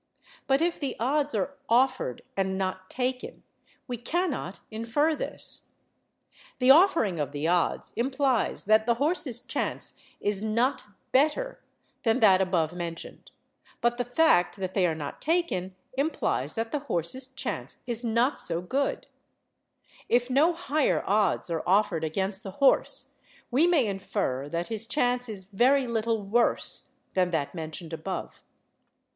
But if the odds are offered and not taken, we cannot infer this. The offering of the odds implies that the horse's chance is not better than that above mentioned, but the fact that they are not taken implies that the horse's chance is not so good. If no higher odds are offered against the horse, we may infer that his chance is very little worse than that mentioned above.